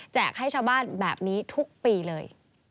ให้ชาวบ้านแบบนี้ทุกปีเลย